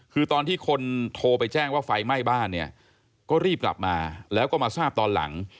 คือตอนที่คนโทรไปแจ้งว่าไฟไหม้บ้านเนี่ยก็รีบกลับมาแล้วก็มาทราบตอนหลัง